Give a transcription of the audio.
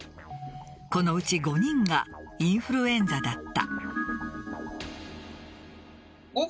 このうち５人がインフルエンザだった。